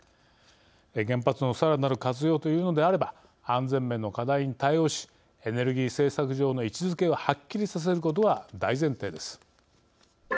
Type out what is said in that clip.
原発のさらなる活用というのであれば安全面の課題に対応しエネルギー政策上の位置づけをはっきりさせることが大前提です。